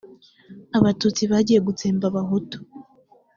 abatutsi bagiye gutsemba abahutu